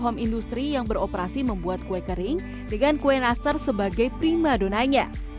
home industry yang beroperasi membuat kue kering dengan kue nastar sebagai prima donanya